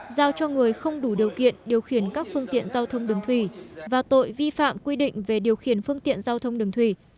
giao cho người không đủ điều kiện điều khiển các phương tiện giao thông đường thủy và tội vi phạm quy định về điều khiển phương tiện giao thông đường thủy